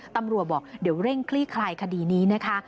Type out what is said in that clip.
ตำรวจบอกเดี๋ยวเร่งคลี่คลายคดีนี้นะคะ